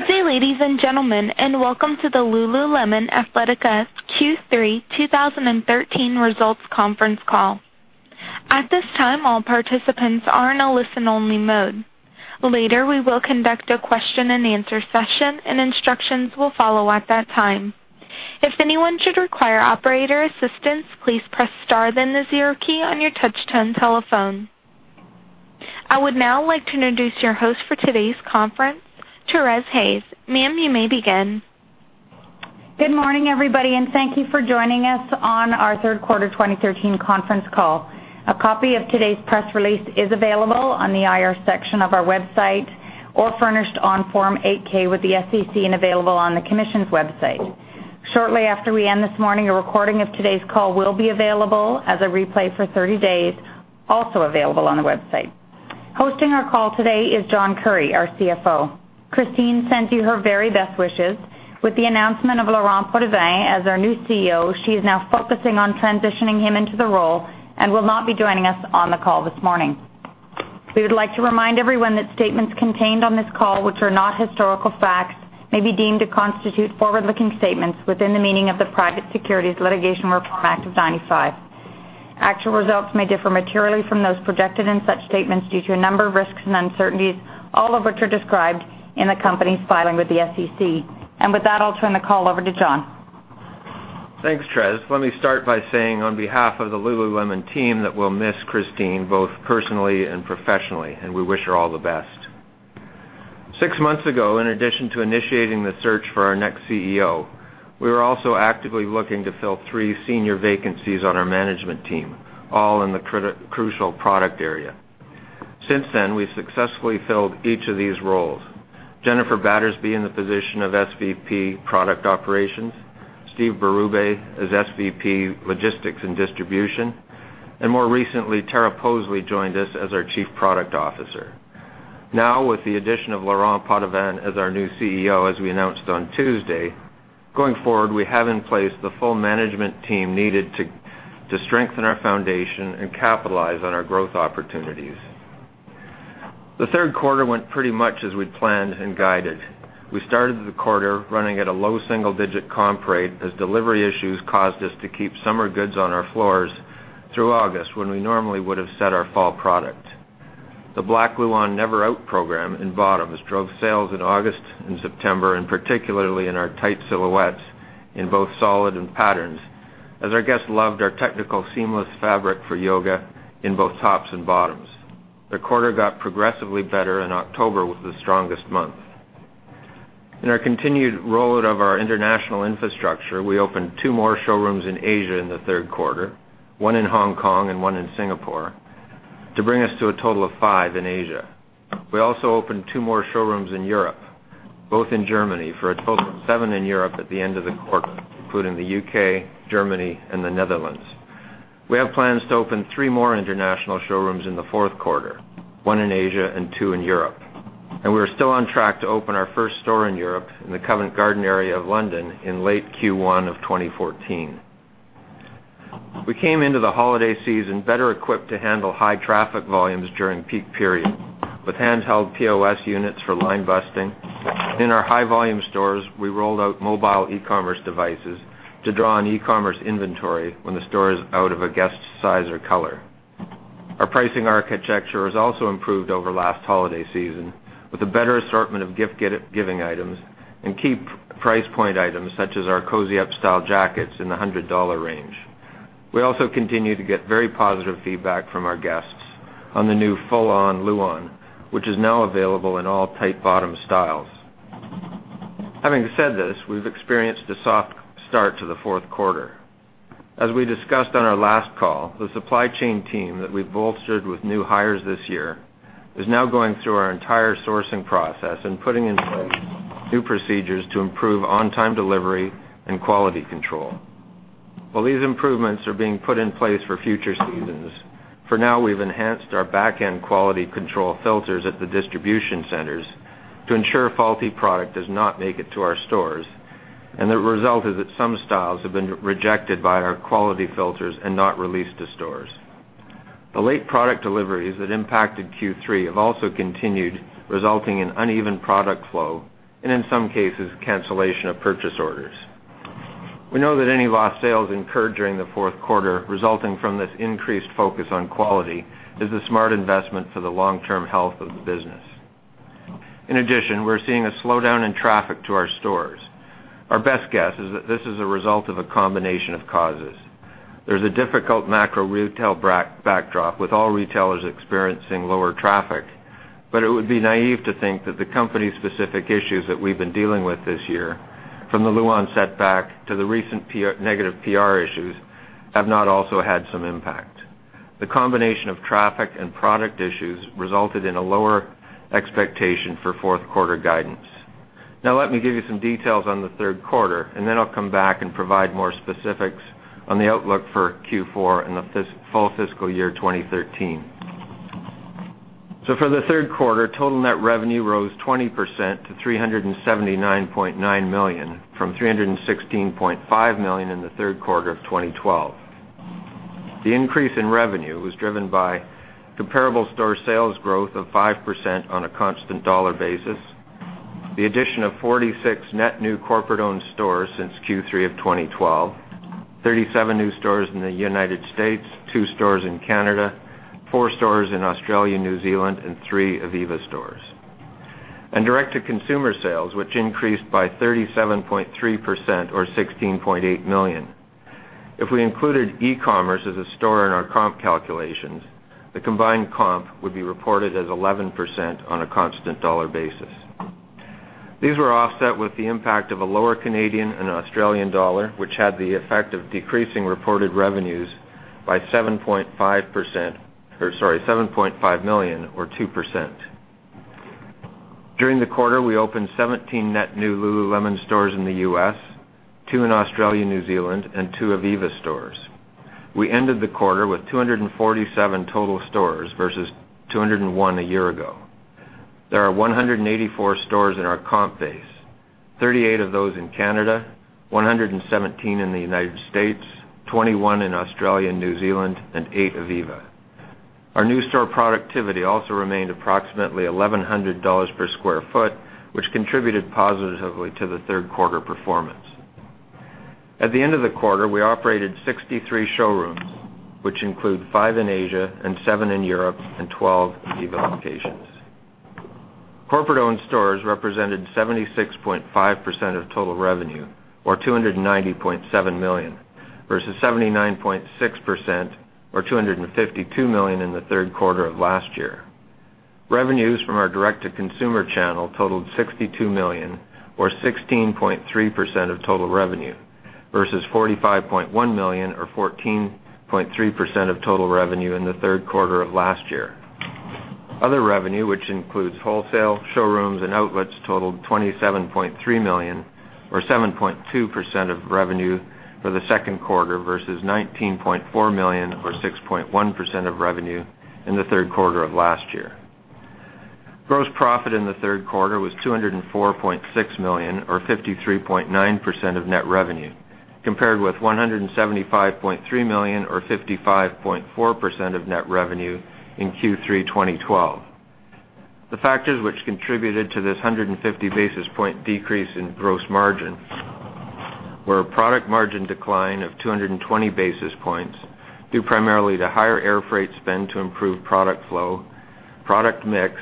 Good day, ladies and gentlemen, and welcome to the Lululemon Athletica Q3 2013 results conference call. At this time, all participants are in a listen-only mode. Later, we will conduct a question and answer session, and instructions will follow at that time. If anyone should require operator assistance, please press star, then the zero key on your touch-tone telephone. I would now like to introduce your host for today's conference, Therese Hayes. Ma'am, you may begin. Good morning, everybody, and thank you for joining us on our third quarter 2013 conference call. A copy of today's press release is available on the IR section of our website or furnished on Form 8-K with the SEC and available on the commission's website. Shortly after we end this morning, a recording of today's call will be available as a replay for 30 days, also available on the website. Hosting our call today is John Currie, our CFO. Christine sends you her very best wishes. With the announcement of Laurent Potdevin as our new CEO, she is now focusing on transitioning him into the role and will not be joining us on the call this morning. We would like to remind everyone that statements contained on this call, which are not historical facts, may be deemed to constitute forward-looking statements within the meaning of the Private Securities Litigation Reform Act of 1995. Actual results may differ materially from those projected in such statements due to a number of risks and uncertainties, all of which are described in the company's filing with the SEC. With that, I'll turn the call over to John. Thanks, Therese. Let me start by saying on behalf of the Lululemon team that we'll miss Christine both personally and professionally, and we wish her all the best. Six months ago, in addition to initiating the search for our next CEO, we were also actively looking to fill three senior vacancies on our management team, all in the crucial product area. Since then, we've successfully filled each of these roles. Jennifer Battersby in the position of SVP Product Operations, Steve Berube as SVP, Logistics and Distribution, and more recently, Tara Poseley joined us as our Chief Product Officer. Now, with the addition of Laurent Potdevin as our new CEO, as we announced on Tuesday, going forward, we have in place the full management team needed to strengthen our foundation and capitalize on our growth opportunities. The third quarter went pretty much as we'd planned and guided. We started the quarter running at a low single-digit comp rate as delivery issues caused us to keep summer goods on our floors through August, when we normally would have set our fall product. The Black Luon Never Out program in bottoms drove sales in August and September, and particularly in our tight silhouettes in both solid and patterns, as our guests loved our technical seamless fabric for yoga in both tops and bottoms. The quarter got progressively better, October was the strongest month. In our continued roll-out of our international infrastructure, we opened two more showrooms in Asia in the third quarter, one in Hong Kong and one in Singapore, to bring us to a total of five in Asia. We also opened two more showrooms in Europe, both in Germany, for a total of seven in Europe at the end of the quarter, including the U.K., Germany, and the Netherlands. We have plans to open three more international showrooms in the fourth quarter, one in Asia and two in Europe. We're still on track to open our first store in Europe in the Covent Garden area of London in late Q1 of 2014. We came into the holiday season better equipped to handle high traffic volumes during peak periods with handheld POS units for line busting. In our high volume stores, we rolled out mobile e-commerce devices to draw on e-commerce inventory when the store is out of a guest size or color. Our pricing architecture has also improved over last holiday season, with a better assortment of gift-giving items and key price point items, such as our Cozy Up style jackets in the $100 range. We also continue to get very positive feedback from our guests on the new Full-On Luon, which is now available in all tight bottom styles. Having said this, we've experienced a soft start to the fourth quarter. As we discussed on our last call, the supply chain team that we've bolstered with new hires this year is now going through our entire sourcing process and putting in place new procedures to improve on-time delivery and quality control. While these improvements are being put in place for future seasons, for now, we've enhanced our back-end quality control filters at the distribution centers to ensure faulty product does not make it to our stores. The result is that some styles have been rejected by our quality filters and not released to stores. The late product deliveries that impacted Q3 have also continued, resulting in uneven product flow and, in some cases, cancellation of purchase orders. We know that any lost sales incurred during the fourth quarter resulting from this increased focus on quality is a smart investment for the long-term health of the business. In addition, we're seeing a slowdown in traffic to our stores. Our best guess is that this is a result of a combination of causes. There's a difficult macro retail backdrop with all retailers experiencing lower traffic, but it would be naive to think that the company's specific issues that we've been dealing with this year, from the Luon setback to the recent negative PR issues, have not also had some impact. The combination of traffic and product issues resulted in a lower expectation for fourth quarter guidance. Let me give you some details on the third quarter, and then I'll come back and provide more specifics on the outlook for Q4 and the full fiscal year 2013. For the third quarter, total net revenue rose 20% to $379.9 million from $316.5 million in the third quarter of 2012. The increase in revenue was driven by comparable store sales growth of 5% on a constant dollar basis, the addition of 46 net new corporate-owned stores since Q3 of 2012, 37 new stores in the United States, two stores in Canada, four stores in Australia, New Zealand, and three Ivivva stores. Direct-to-consumer sales, which increased by 37.3%, or $16.8 million. If we included e-commerce as a store in our comp calculations, the combined comp would be reported as 11% on a constant dollar basis. These were offset with the impact of a lower Canadian and Australian dollar, which had the effect of decreasing reported revenues by $7.5 million or 2%. During the quarter, we opened 17 net new Lululemon stores in the U.S., two in Australia and New Zealand, and two Ivivva stores. We ended the quarter with 247 total stores versus 201 a year ago. There are 184 stores in our comp base, 38 of those in Canada, 117 in the United States, 21 in Australia and New Zealand, and eight Ivivva. Our new store productivity also remained approximately $1,100 per sq ft, which contributed positively to the third quarter performance. At the end of the quarter, we operated 63 showrooms, which include five in Asia and seven in Europe and 12 Ivivva locations. Corporate-owned stores represented 76.5% of total revenue or $290.7 million, versus 79.6% or $252 million in the third quarter of last year. Revenues from our direct-to-consumer channel totaled $62 million or 16.3% of total revenue versus $45.1 million or 14.3% of total revenue in the third quarter of last year. Other revenue, which includes wholesale showrooms and outlets totaled $27.3 million or 7.2% of revenue for the second quarter versus $19.4 million or 6.1% of revenue in the third quarter of last year. Gross profit in the third quarter was $204.6 million or 53.9% of net revenue, compared with $175.3 million or 55.4% of net revenue in Q3 2012. The factors which contributed to this 150 basis point decrease in gross margin were a product margin decline of 220 basis points due primarily to higher air freight spend to improve product flow, product mix,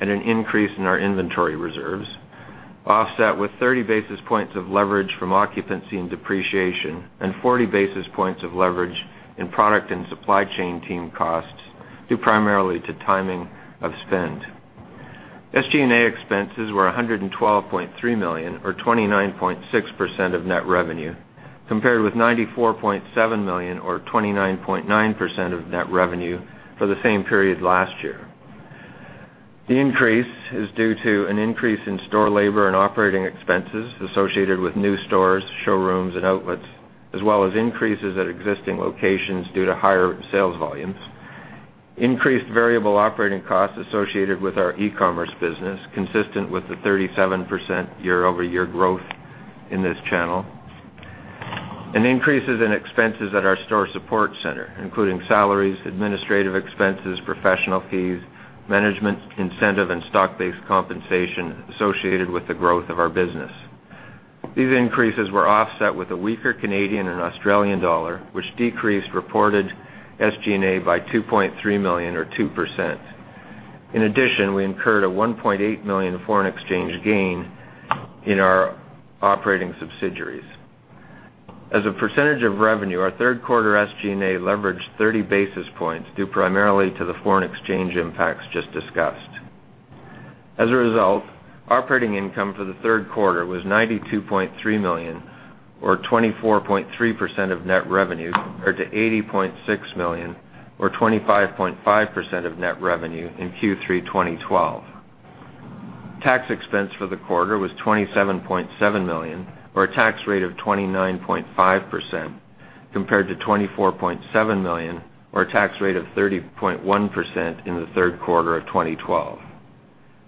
and an increase in our inventory reserves, offset with 30 basis points of leverage from occupancy and depreciation and 40 basis points of leverage in product and supply chain team costs due primarily to timing of spend. SG&A expenses were $112.3 million or 29.6% of net revenue, compared with $94.7 million or 29.9% of net revenue for the same period last year. The increase is due to an increase in store labor and operating expenses associated with new stores, showrooms, and outlets, as well as increases at existing locations due to higher sales volumes. Increased variable operating costs associated with our e-commerce business, consistent with the 37% year-over-year growth in this channel. Increases in expenses at our store support center, including salaries, administrative expenses, professional fees, management incentive, and stock-based compensation associated with the growth of our business. These increases were offset with a weaker Canadian and Australian dollar, which decreased reported SG&A by $2.3 million or 2%. In addition, we incurred a $1.8 million foreign exchange gain in our operating subsidiaries. As a percentage of revenue, our third quarter SG&A leveraged 30 basis points due primarily to the foreign exchange impacts just discussed. As a result, operating income for the third quarter was $92.3 million or 24.3% of net revenue compared to $80.6 million or 25.5% of net revenue in Q3 2012. Tax expense for the quarter was $27.7 million or a tax rate of 29.5%, compared to $24.7 million or a tax rate of 30.1% in the third quarter of 2012.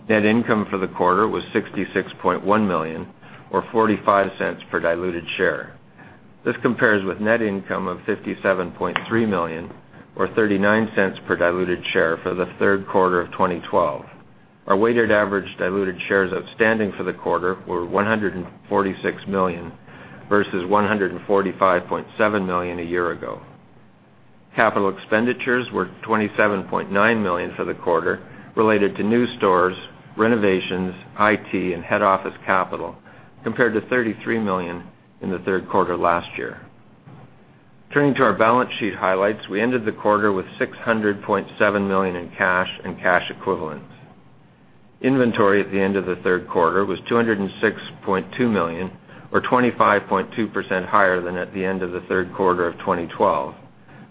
Net income for the quarter was $66.1 million or $0.45 per diluted share. This compares with net income of $57.3 million or $0.39 per diluted share for the third quarter of 2012. Our weighted average diluted shares outstanding for the quarter were 146 million versus 145.7 million a year ago. Capital expenditures were $27.9 million for the quarter related to new stores, renovations, IT, and head office capital compared to $33 million in the third quarter last year. Turning to our balance sheet highlights. We ended the quarter with $600.7 million in cash and cash equivalents. Inventory at the end of the third quarter was $206.2 million or 25.2% higher than at the end of the third quarter of 2012.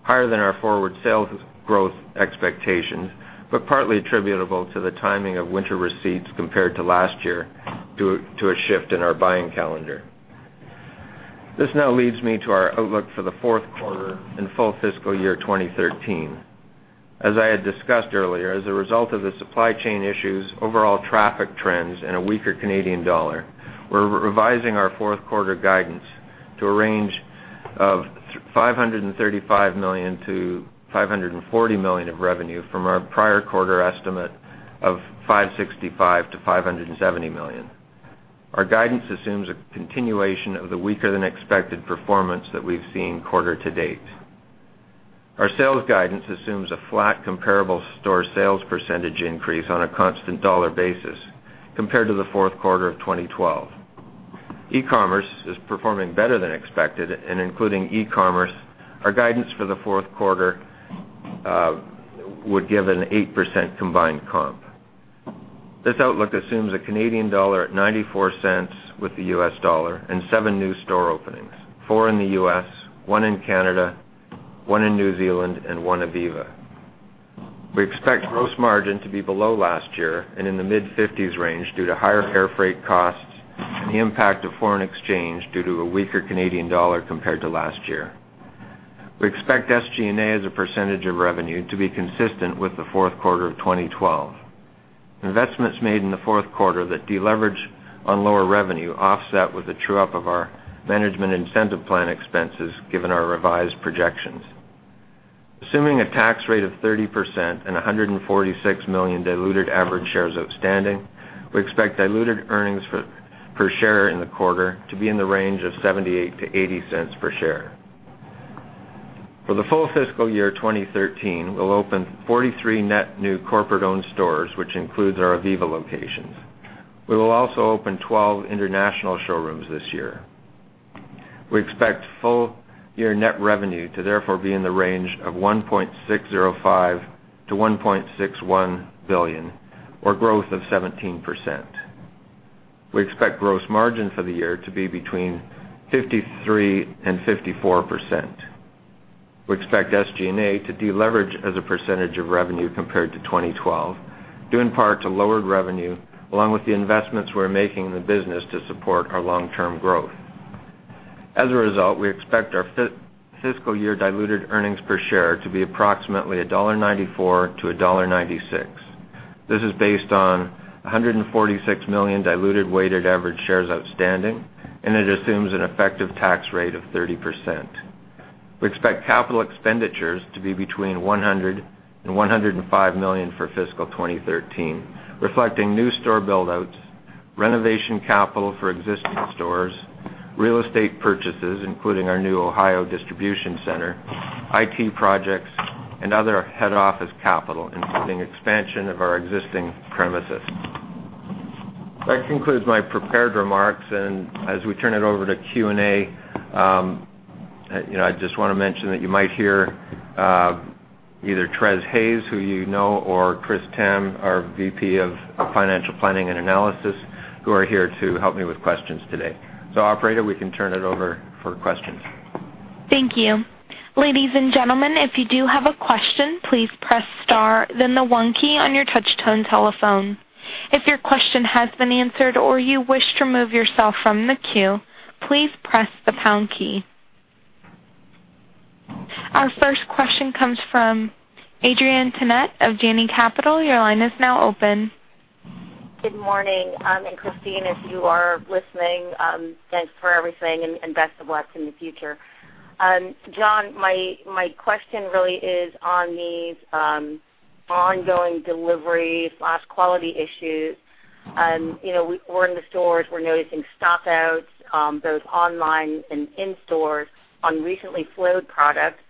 Higher than our forward sales growth expectations, but partly attributable to the timing of winter receipts compared to last year due to a shift in our buying calendar. This now leads me to our outlook for the fourth quarter and full fiscal year 2013. As I had discussed earlier, as a result of the supply chain issues, overall traffic trends, and a weaker Canadian dollar, we're revising our fourth quarter guidance to a range of $535 million-$540 million of revenue from our prior quarter estimate of $565 million-$570 million. Our guidance assumes a continuation of the weaker-than-expected performance that we've seen quarter to date. Our sales guidance assumes a flat comparable store sales percentage increase on a constant dollar basis compared to the fourth quarter of 2012. E-commerce is performing better than expected, and including e-commerce, our guidance for the fourth quarter would give an 8% combined comp. This outlook assumes a Canadian dollar at $0.94 with the U.S. dollar and seven new store openings, four in the U.S., one in Canada, one in New Zealand, and one Ivivva. We expect gross margin to be below last year and in the mid-50s range due to higher air freight costs and the impact of foreign exchange due to a weaker Canadian dollar compared to last year. We expect SG&A as a percentage of revenue to be consistent with the fourth quarter of 2012. Investments made in the fourth quarter that deleverage on lower revenue offset with a true-up of our management incentive plan expenses, given our revised projections. Assuming a tax rate of 30% and 146 million diluted average shares outstanding, we expect diluted earnings per share in the quarter to be in the range of $0.78-$0.80 per share. For the full fiscal year 2013, we will open 43 net new corporate-owned stores, which includes our Ivivva locations. We will also open 12 international showrooms this year. We expect full-year net revenue to therefore be in the range of $1.605 billion-$1.61 billion, or growth of 17%. We expect gross margin for the year to be between 53% and 54%. We expect SG&A to deleverage as a percentage of revenue compared to 2012, due in part to lowered revenue, along with the investments we are making in the business to support our long-term growth. As a result, we expect our fiscal year diluted earnings per share to be approximately $1.94-$1.96. This is based on 146 million diluted weighted average shares outstanding, and it assumes an effective tax rate of 30%. We expect capital expenditures to be between $100 million-$105 million for fiscal 2013, reflecting new store build-outs, renovation capital for existing stores, real estate purchases, including our new Ohio distribution center, IT projects, and other head office capital, including expansion of our existing premises. That concludes my prepared remarks. As we turn it over to Q&A, I just want to mention that you might hear either Therese Hayes, who you know, or Chris Tham, our VP of Financial Planning and Analysis, who are here to help me with questions today. Operator, we can turn it over for questions. Thank you. Ladies and gentlemen, if you do have a question, please press star then the one key on your touch-tone telephone. If your question has been answered or you wish to remove yourself from the queue, please press the pound key. Our first question comes from Adrienne Tennant of Janney Capital. Your line is now open. Good morning. Christine, if you are listening, thanks for everything and best of luck in the future. John, my question really is on these ongoing delivery/quality issues. We're in the stores. We're noticing stock-outs, both online and in stores, on recently flowed products,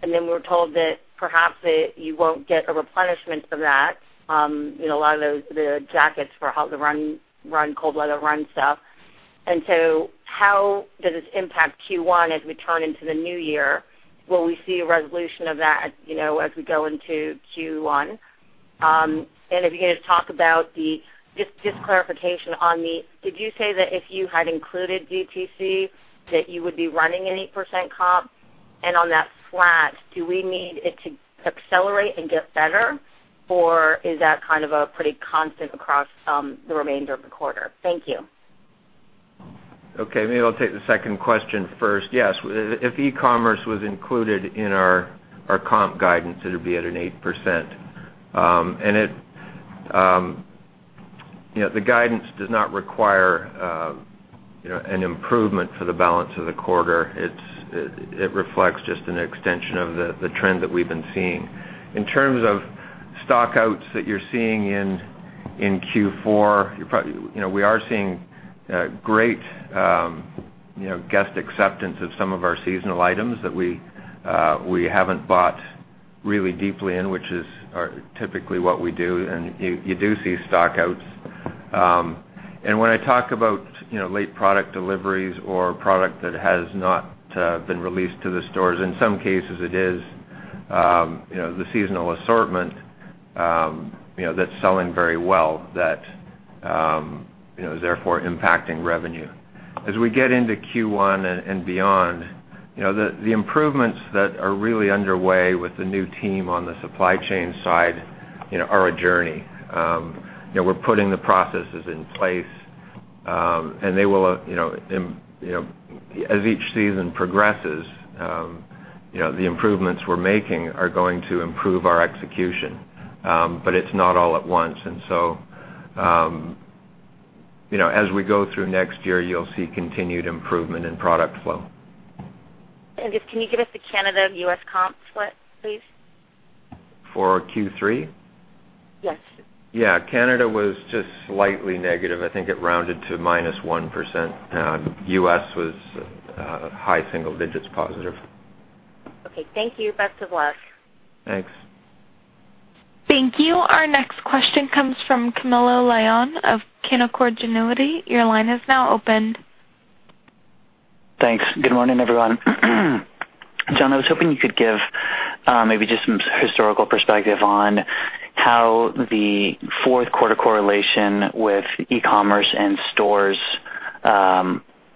then we're told that perhaps you won't get a replenishment of that, a lot of the jackets for the cold weather run stuff. How does this impact Q1 as we turn into the new year? Will we see a resolution of that as we go into Q1? If you could just talk about just clarification on the, did you say that if you had included DTC, that you would be running an 8% comp? On that flat, do we need it to accelerate and get better, or is that a pretty constant across the remainder of the quarter? Thank you. Okay. Maybe I'll take the second question first. Yes. If e-commerce was included in our comp guidance, it'd be at an 8%. The guidance does not require an improvement for the balance of the quarter. It reflects just an extension of the trend that we've been seeing. In terms of stock-outs that you're seeing in Q4, we are seeing great guest acceptance of some of our seasonal items that we haven't bought really deeply in, which is typically what we do, and you do see stock-outs. When I talk about late product deliveries or product that has not been released to the stores, in some cases, it is the seasonal assortment that's selling very well, that is therefore impacting revenue. As we get into Q1 and beyond, the improvements that are really underway with the new team on the supply chain side are a journey. We're putting the processes in place. As each season progresses, the improvements we're making are going to improve our execution. It's not all at once. As we go through next year, you'll see continued improvement in product flow. Just can you give us the Canada, U.S. comp split, please? For Q3? Yes. Yeah. Canada was just slightly negative. I think it rounded to minus 1%. The U.S. was high single digits positive. Okay. Thank you. Best of luck. Thanks. Thank you. Our next question comes from Camilo Lyon of Canaccord Genuity. Your line is now open. Thanks. Good morning, everyone. John, I was hoping you could give maybe just some historical perspective on how the fourth quarter correlation with e-commerce and stores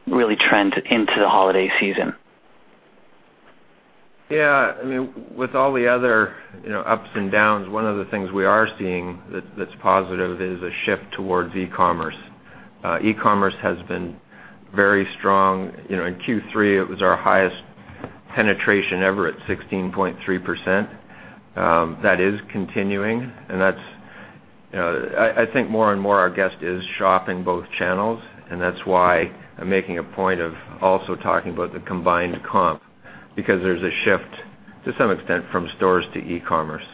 really trend into the holiday season. Yeah. With all the other ups and downs, one of the things we are seeing that's positive is a shift towards e-commerce. E-commerce has been very strong. In Q3, it was our highest penetration ever at 16.3%. That is continuing, and I think more and more our guest is shopping both channels, and that's why I'm making a point of also talking about the combined comp, because there's a shift, to some extent, from stores to e-commerce.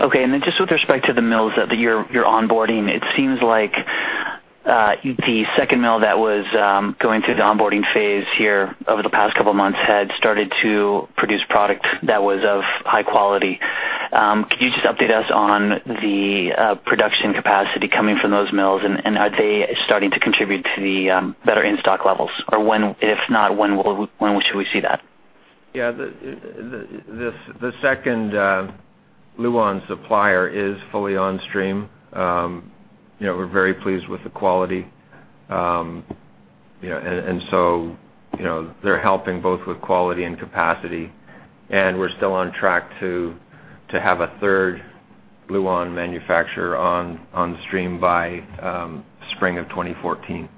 Okay. Just with respect to the mills that you're onboarding, it seems like the second mill that was going through the onboarding phase here over the past couple of months had started to produce product that was of high quality. Could you just update us on the production capacity coming from those mills? Are they starting to contribute to the better in-stock levels? If not, when should we see that? Yeah. The second Luon supplier is fully on stream. We're very pleased with the quality. They're helping both with quality and capacity. We're still on track to have a third Luon manufacturer on stream by spring of 2014.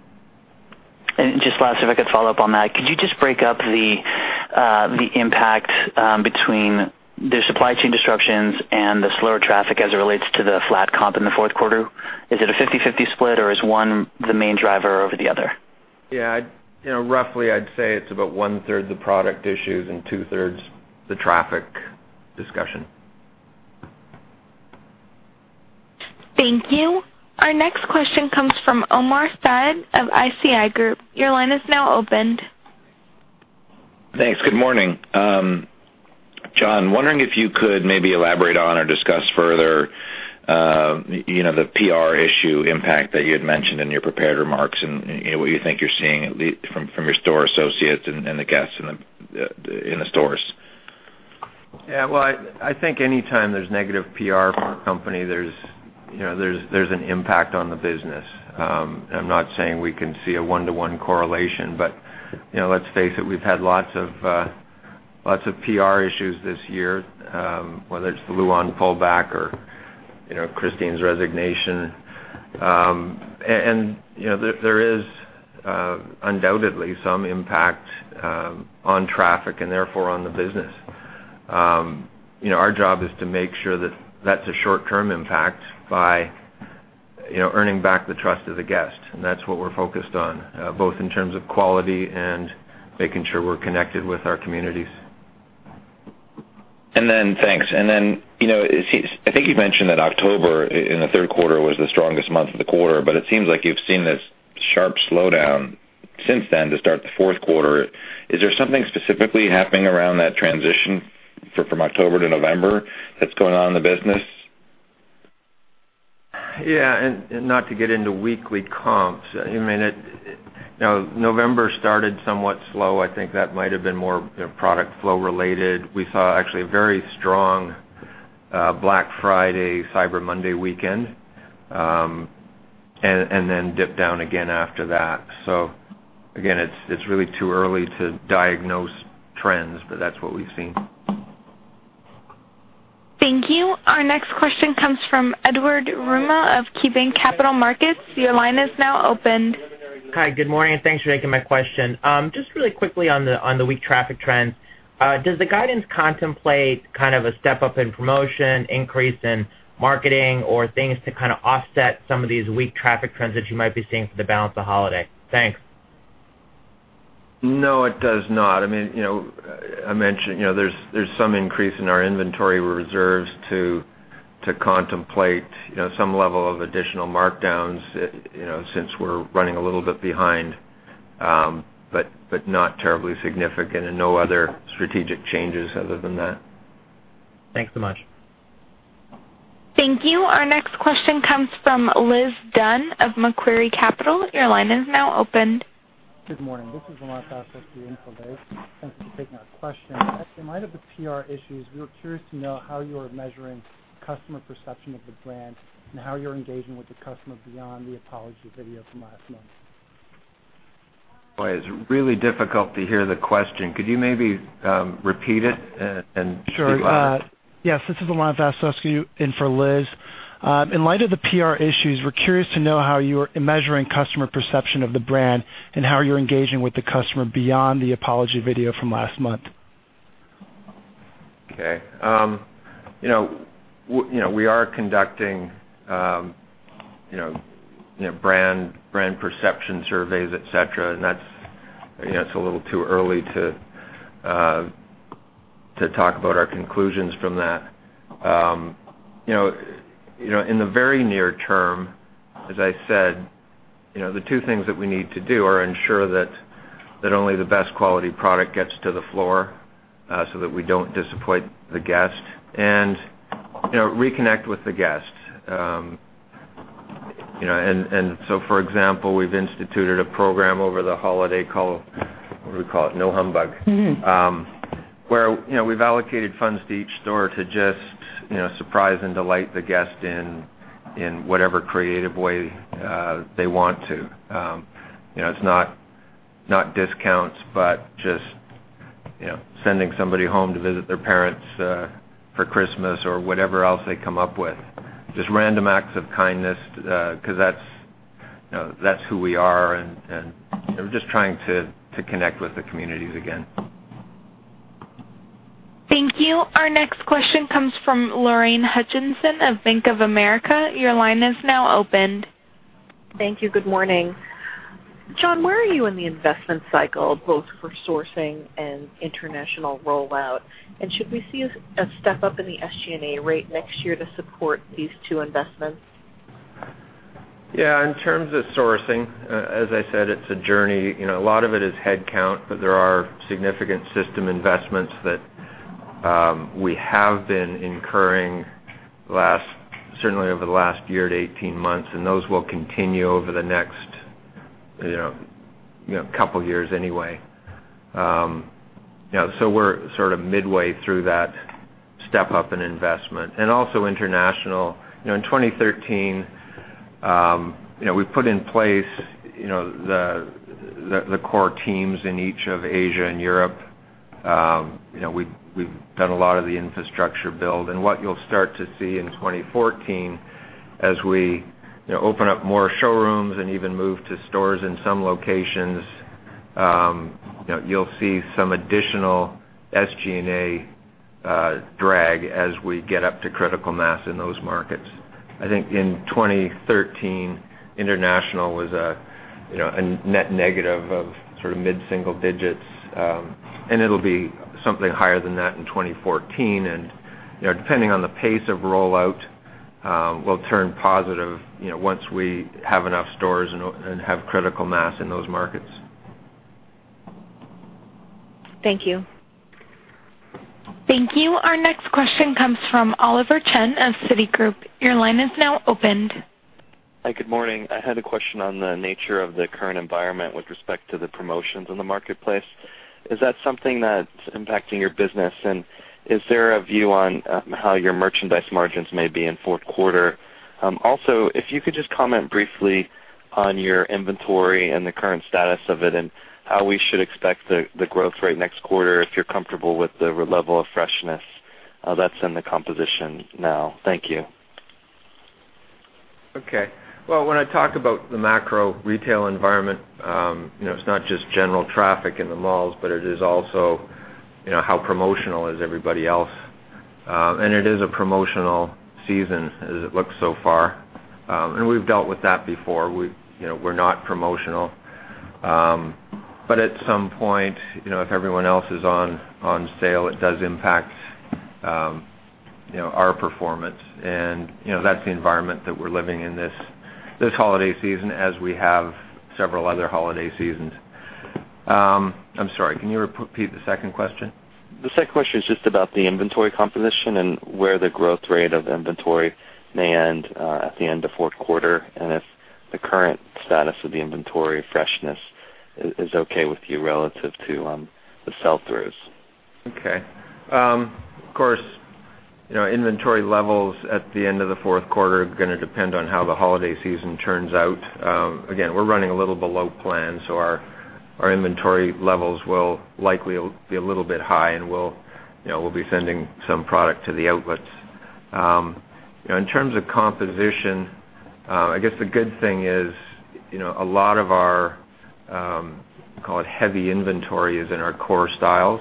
Just last, if I could follow up on that, could you just break up the impact between the supply chain disruptions and the slower traffic as it relates to the flat comp in the fourth quarter? Is it a 50/50 split, or is one the main driver over the other? Yeah. Roughly, I'd say it's about one-third the product issues and two-thirds the traffic discussion. Thank you. Our next question comes from Omar Saad of ISI Group. Your line is now open. Thanks. Good morning. John, wondering if you could maybe elaborate on or discuss further the PR issue impact that you had mentioned in your prepared remarks and what you think you're seeing from your store associates and the guests in the stores. Well, I think any time there's negative PR for a company, there's an impact on the business. I'm not saying we can see a one-to-one correlation, but let's face it, we've had lots of PR issues this year, whether it's the Luon pullback or Christine's resignation. There is undoubtedly some impact on traffic and therefore on the business. Our job is to make sure that that's a short-term impact by earning back the trust of the guest. That's what we're focused on, both in terms of quality and making sure we're connected with our communities. Thanks. Then, I think you've mentioned that October in the third quarter was the strongest month of the quarter, it seems like you've seen this sharp slowdown since then to start the fourth quarter. Is there something specifically happening around that transition from October to November that's going on in the business? Not to get into weekly comps. November started somewhat slow. I think that might have been more product flow related. We saw actually a very strong Black Friday, Cyber Monday weekend. Then dipped down again after that. Again, it's really too early to diagnose trends, that's what we've seen. Thank you. Our next question comes from Edward Yruma of KeyBanc Capital Markets. Your line is now open. Hi, good morning. Thanks for taking my question. Just really quickly on the weak traffic trends. Does the guidance contemplate kind of a step-up in promotion, increase in marketing or things to kind of offset some of these weak traffic trends that you might be seeing for the balance of holiday? Thanks. No, it does not. I mentioned there's some increase in our inventory reserves to contemplate some level of additional markdowns since we're running a little bit behind. Not terribly significant and no other strategic changes other than that. Thanks so much. Thank you. Our next question comes from Liz Dunn of Macquarie Capital. Your line is now open. Good morning. This is [inaudible] Thanks for taking our question. In light of the PR issues, we were curious to know how you're measuring customer perception of the brand and how you're engaging with the customer beyond the apology video from last month. Boy, it's really difficult to hear the question. Could you maybe repeat it and be louder? Sure. Yes, this is [inaudible] in for Liz. In light of the PR issues, we're curious to know how you are measuring customer perception of the brand, and how you're engaging with the customer beyond the apology video from last month. Okay. We are conducting brand perception surveys, et cetera. That's a little too early to talk about our conclusions from that. In the very near term, as I said, the two things that we need to do are ensure that only the best quality product gets to the floor so that we don't disappoint the guest. Reconnect with the guest. For example, we've instituted a program over the holiday called, what do we call it? No Humbug. Where we've allocated funds to each store to just surprise and delight the guest in whatever creative way they want to. It's not discounts, but just sending somebody home to visit their parents for Christmas or whatever else they come up with. Just random acts of kindness, because that's who we are, and we're just trying to connect with the communities again. Thank you. Our next question comes from Lorraine Hutchinson of Bank of America. Your line is now opened. Thank you. Good morning. John, where are you in the investment cycle, both for sourcing and international rollout? Should we see a step-up in the SG&A rate next year to support these two investments? Yeah. In terms of sourcing, as I said, it's a journey. A lot of it is headcount, but there are significant system investments that we have been incurring, certainly over the last year to 18 months, and those will continue over the next couple years anyway. We're sort of midway through that step-up in investment. Also international. In 2013, we put in place the core teams in each of Asia and Europe. We've done a lot of the infrastructure build, and what you'll start to see in 2014 as we open up more showrooms and even move to stores in some locations, you'll see some additional SG&A drag as we get up to critical mass in those markets. I think in 2013, international was a net negative of mid-single digits, and it'll be something higher than that in 2014. Depending on the pace of rollout, will turn positive once we have enough stores and have critical mass in those markets. Thank you. Thank you. Our next question comes from Oliver Chen of Citigroup. Your line is now opened. Hi, good morning. I had a question on the nature of the current environment with respect to the promotions in the marketplace. Is that something that's impacting your business? Is there a view on how your merchandise margins may be in fourth quarter? Also, if you could just comment briefly on your inventory and the current status of it, and how we should expect the growth rate next quarter, if you're comfortable with the level of freshness that's in the composition now. Thank you. Well, when I talk about the macro retail environment, it's not just general traffic in the malls, but it is also how promotional is everybody else. It is a promotional season as it looks so far. We've dealt with that before. We're not promotional. At some point, if everyone else is on sale, it does impact our performance. That's the environment that we're living in this holiday season as we have several other holiday seasons. I'm sorry, can you repeat the second question? The second question is just about the inventory composition and where the growth rate of inventory may end at the end of fourth quarter, and if the current status of the inventory freshness is okay with you relative to the sell-throughs. Of course, inventory levels at the end of the fourth quarter are going to depend on how the holiday season turns out. Again, we're running a little below plan, our inventory levels will likely be a little bit high, and we'll be sending some product to the outlets. In terms of composition, I guess the good thing is a lot of our, call it heavy inventory, is in our core styles,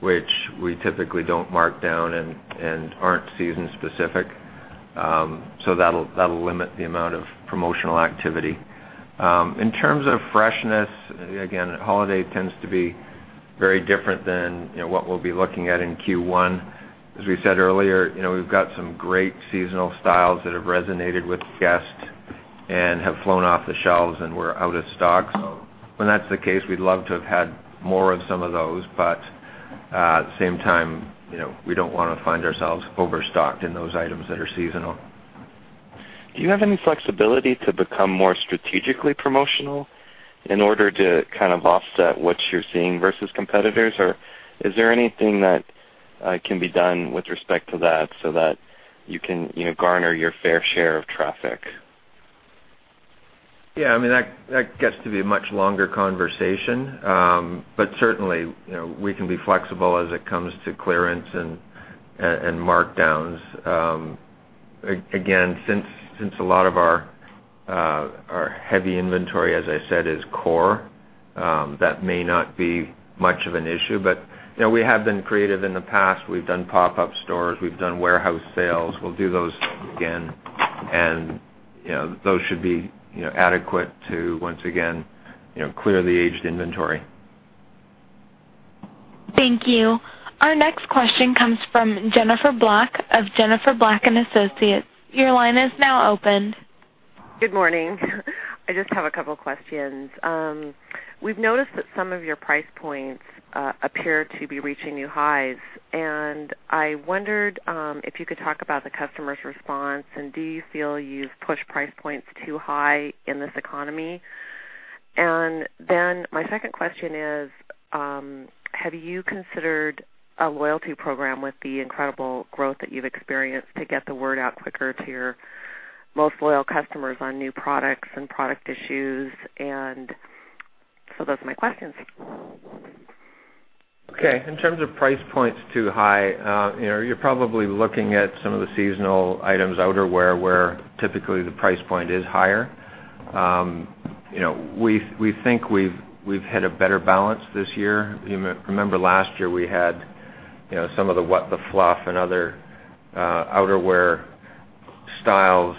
which we typically don't mark down and aren't season-specific. That'll limit the amount of promotional activity. In terms of freshness, again, holiday tends to be very different than what we'll be looking at in Q1. As we said earlier, we've got some great seasonal styles that have resonated with guests and have flown off the shelves and we're out of stock. When that's the case, we'd love to have had more of some of those, at the same time, we don't want to find ourselves overstocked in those items that are seasonal. Do you have any flexibility to become more strategically promotional in order to kind of offset what you're seeing versus competitors? Is there anything that- Can be done with respect to that so that you can garner your fair share of traffic. Yeah, that gets to be a much longer conversation. Certainly, we can be flexible as it comes to clearance and markdowns. Since a lot of our heavy inventory, as I said, is core, that may not be much of an issue, but we have been creative in the past. We've done pop-up stores. We've done warehouse sales. We'll do those again. Those should be adequate to, once again, clear the aged inventory. Thank you. Our next question comes from Jennifer Black of Jennifer Black & Associates. Your line is now open. Good morning. I just have a couple questions. We've noticed that some of your price points appear to be reaching new highs, and I wondered if you could talk about the customer's response. Do you feel you've pushed price points too high in this economy? My second question is, have you considered a loyalty program with the incredible growth that you've experienced to get the word out quicker to your most loyal customers on new products and product issues? Those are my questions. Okay. In terms of price points too high, you're probably looking at some of the seasonal items, outerwear, where typically the price point is higher. We think we've had a better balance this year. Remember last year we had some of the What The Fluff and other outerwear styles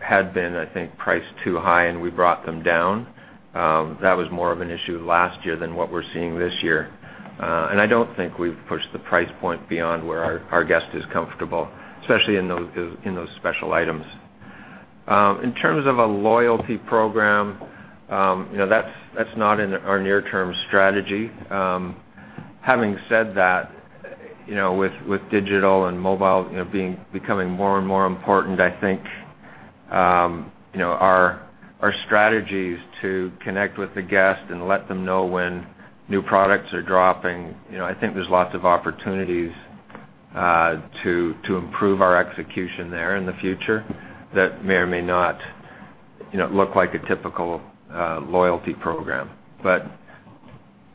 had been, I think, priced too high, and we brought them down. That was more of an issue last year than what we're seeing this year. I don't think we've pushed the price point beyond where our guest is comfortable, especially in those special items. In terms of a loyalty program, that's not in our near-term strategy. Having said that, with digital and mobile becoming more and more important, I think, our strategies to connect with the guest and let them know when new products are dropping. I think there's lots of opportunities to improve our execution there in the future that may or may not look like a typical loyalty program.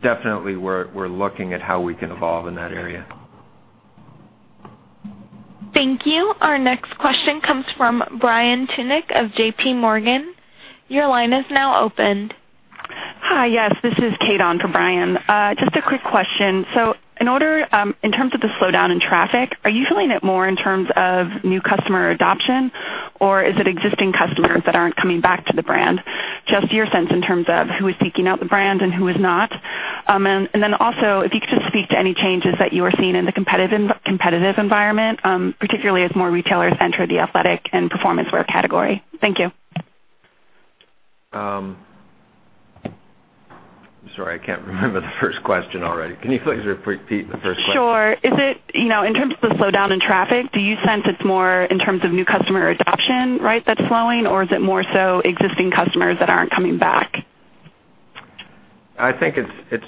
Definitely, we're looking at how we can evolve in that area. Thank you. Our next question comes from Brian Tunick of JPMorgan. Your line is now open. Hi. Yes, this is Kate on for Brian. Just a quick question. In terms of the slowdown in traffic, are you feeling it more in terms of new customer adoption, or is it existing customers that aren't coming back to the brand? Just your sense in terms of who is seeking out the brand and who is not. Also, if you could just speak to any changes that you are seeing in the competitive environment, particularly as more retailers enter the athletic and performance wear category. Thank you. I'm sorry, I can't remember the first question already. Can you please repeat the first question? Sure. In terms of the slowdown in traffic, do you sense it's more in terms of new customer adoption that's slowing, or is it more so existing customers that aren't coming back? I think it's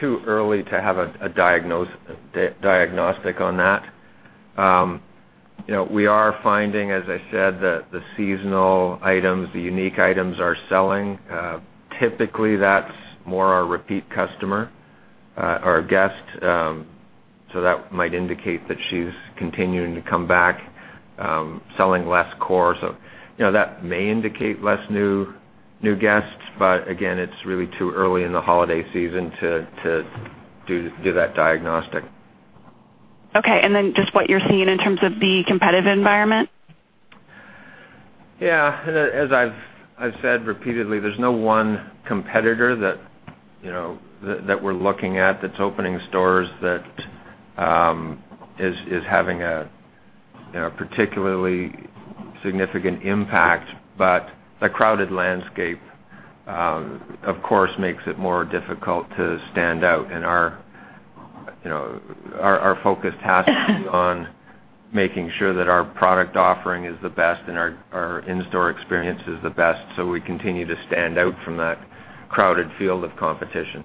too early to have a diagnostic on that. We are finding, as I said, that the seasonal items, the unique items are selling. Typically, that's more our repeat customer, our guest. That might indicate that she's continuing to come back. Selling less core. That may indicate less new guests. Again, it's really too early in the holiday season to do that diagnostic. What you're seeing in terms of the competitive environment? Yeah. As I've said repeatedly, there's no one competitor that we're looking at that's opening stores that is having a particularly significant impact. A crowded landscape, of course, makes it more difficult to stand out, our focus has to be on making sure that our product offering is the best and our in-store experience is the best, we continue to stand out from that crowded field of competition.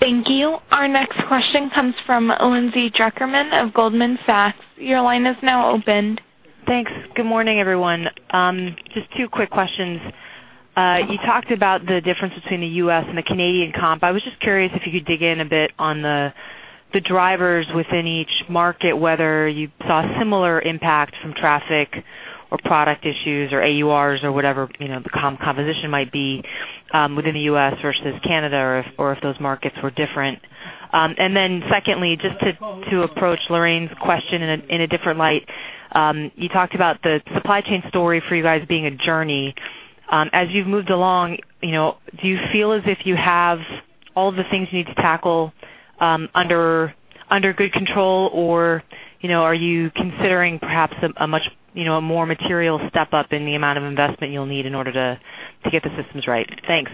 Thank you. Our next question comes from Lindsay Drucker Mann of Goldman Sachs. Your line is now open. Thanks. Good morning, everyone. Just two quick questions. You talked about the difference between the U.S. and the Canadian comp. I was just curious if you could dig in a bit on the drivers within each market, whether you saw similar impact from traffic or product issues or AURs or whatever the composition might be within the U.S. versus Canada, or if those markets were different. Secondly, just to approach Lorraine's question in a different light. You talked about the supply chain story for you guys being a journey. As you've moved along, do you feel as if you have all the things you need to tackle under good control? Are you considering perhaps a more material step up in the amount of investment you'll need in order to get the systems right? Thanks.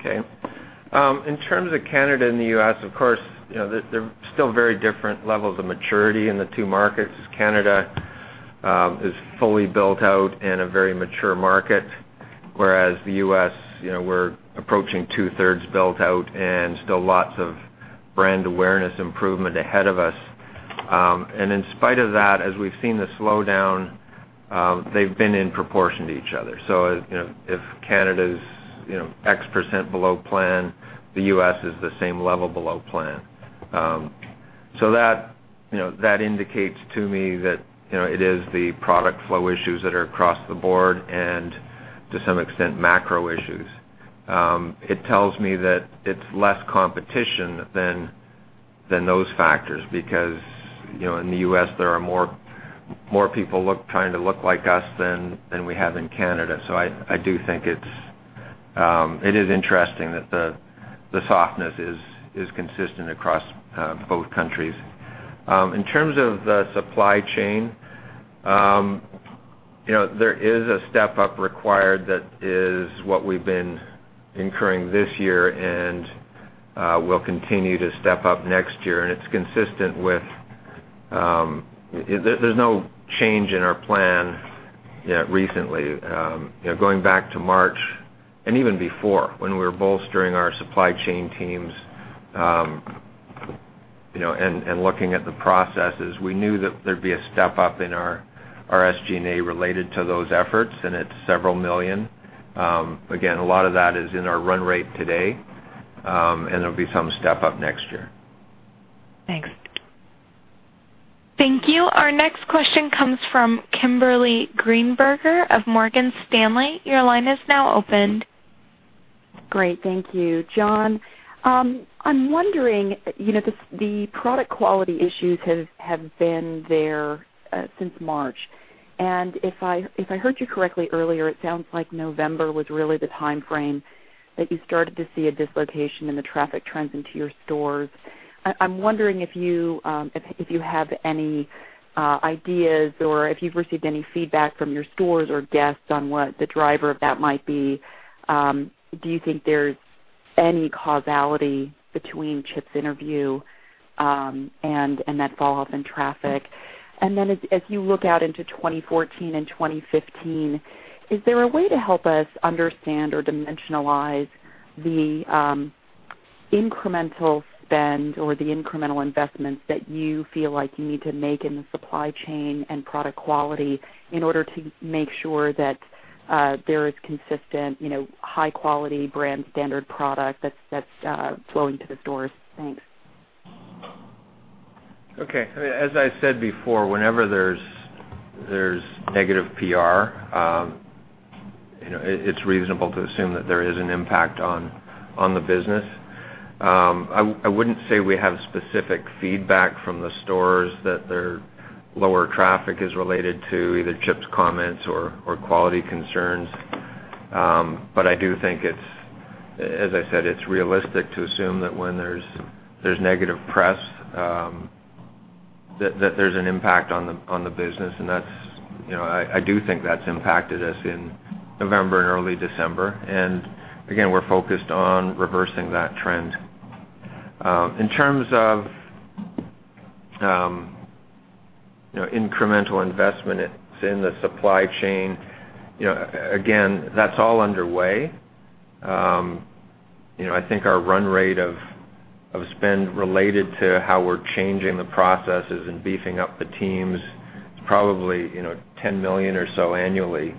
Okay. In terms of Canada and the U.S., of course, there are still very different levels of maturity in the two markets. Canada is fully built out in a very mature market, whereas the U.S., we're approaching two-thirds built out and still lots of brand awareness improvement ahead of us. In spite of that, as we've seen the slowdown, they've been in proportion to each other. If Canada is X% below plan, the U.S. is the same level below plan. That indicates to me that it is the product flow issues that are across the board and to some extent, macro issues. It tells me that it's less competition than those factors, because in the U.S., there are more people trying to look like us than we have in Canada. I do think it is interesting that the softness is consistent across both countries. In terms of the supply chain, there is a step-up required. That is what we've been incurring this year, and we'll continue to step up next year. There's no change in our plan recently. Going back to March and even before, when we were bolstering our supply chain teams and looking at the processes, we knew that there'd be a step-up in our SG&A related to those efforts, and it's several million. Again, a lot of that is in our run rate today, and there'll be some step-up next year. Thanks. Thank you. Our next question comes from Kimberly Greenberger of Morgan Stanley. Your line is now opened. Great. Thank you. John, I'm wondering, the product quality issues have been there since March. If I heard you correctly earlier, it sounds like November was really the timeframe that you started to see a dislocation in the traffic trends into your stores. I'm wondering if you have any ideas or if you've received any feedback from your stores or guests on what the driver of that might be. Do you think there's any causality between Chip's interview and that fall-off in traffic? As you look out into 2014 and 2015, is there a way to help us understand or dimensionalize the incremental spend or the incremental investments that you feel like you need to make in the supply chain and product quality in order to make sure that there is consistent high-quality brand standard product that's flowing to the stores? Thanks. Okay. As I said before, whenever there's negative PR, it's reasonable to assume that there is an impact on the business. I wouldn't say we have specific feedback from the stores that their lower traffic is related to either Chip's comments or quality concerns. I do think, as I said, it's realistic to assume that when there's negative press, that there's an impact on the business. I do think that's impacted us in November and early December. Again, we're focused on reversing that trend. In terms of incremental investment in the supply chain, again, that's all underway. I think our run rate of spend related to how we're changing the processes and beefing up the teams is probably $10 million or so annually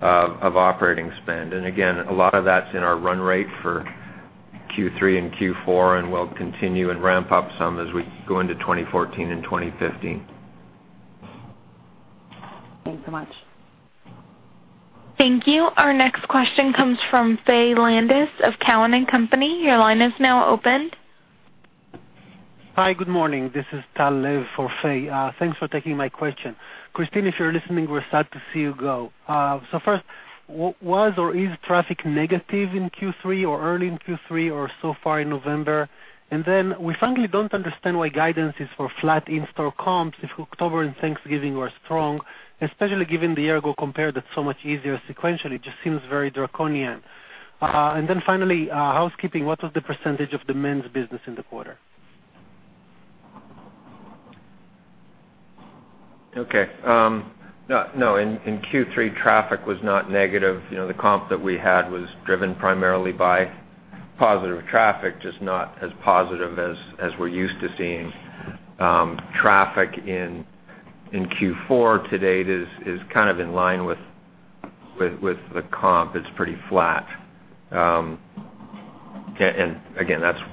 of operating spend. Again, a lot of that's in our run rate for Q3 and Q4, and we'll continue and ramp up some as we go into 2014 and 2015. Thanks so much. Thank you. Our next question comes from Faye Landes of Cowen and Company. Your line is now opened. Hi, good morning. This is Tal Lev for Faye. Thanks for taking my question. Christine, if you're listening, we're sad to see you go. First, was or is traffic negative in Q3 or early in Q3 or so far in November? We frankly don't understand why guidance is for flat in-store comps if October and Thanksgiving were strong, especially given the year-ago compare that's so much easier sequentially. It just seems very draconian. Finally, housekeeping, what was the % of the men's business in the quarter? Okay. No, in Q3, traffic was not negative. The comp that we had was driven primarily by positive traffic, just not as positive as we're used to seeing. Traffic in Q4 to date is kind of in line with the comp. It's pretty flat. Again,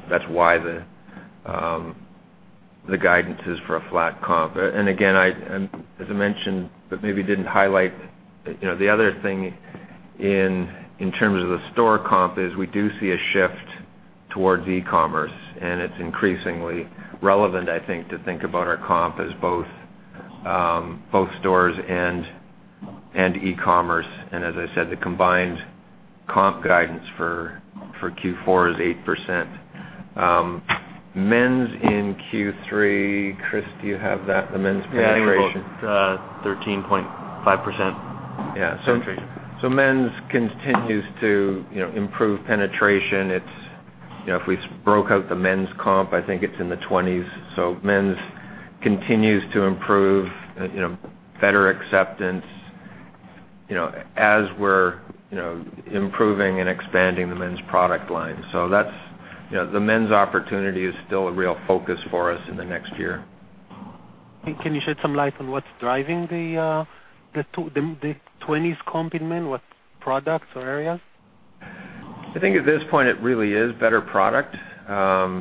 that's why the guidance is for a flat comp. Again, as I mentioned, but maybe didn't highlight, the other thing in terms of the store comp is we do see a shift towards e-commerce, and it's increasingly relevant, I think, to think about our comp as both stores and e-commerce. As I said, the combined comp guidance for Q4 is 8%. Men's in Q3, Chris, do you have that, the men's penetration? Yeah, I think about 13.5%. Yeah. Penetration. Men's continues to improve penetration. If we broke out the men's comp, I think it's in the 20s. Men's continues to improve, better acceptance, as we're improving and expanding the men's product line. The men's opportunity is still a real focus for us in the next year. Can you shed some light on what's driving the 20s comp in men? What products or areas? I think at this point, it really is better product. I